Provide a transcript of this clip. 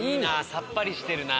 さっぱりしてるな。